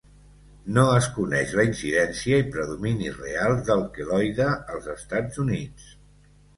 No es coneix la incidència i predomini reals del queloide als Estats Units.